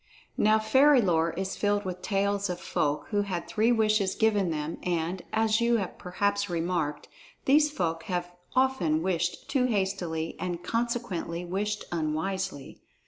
Now fairy lore is filled with tales of folk who had three wishes given them, and, as you have perhaps remarked, these folk have often wished too hastily and consequently wished unwisely.